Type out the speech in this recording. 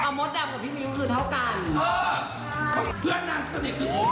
เอาโมดแบบกับพี่มิวคือเท่ากัน